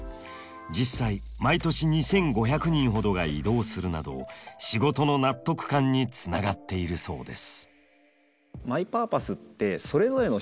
実際毎年２，５００人ほどが異動するなど仕事の納得感につながっているそうです。